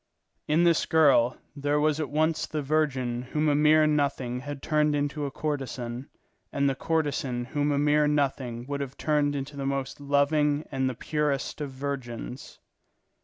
In this girl there was at once the virgin whom a mere nothing had turned into a courtesan, and the courtesan whom a mere nothing would have turned into the most loving and the purest of virgins.